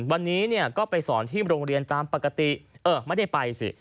วันนี้เนี่ยก็ไปสอนที่โรงเรียนตามปกติเออไม่ได้ไปสิ